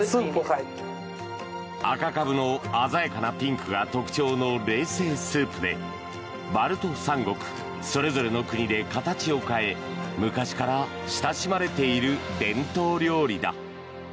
赤カブの鮮やかなピンクが特徴の冷製スープでバルト三国それぞれの国で形を変え昔から親しまれている伝統料理だ。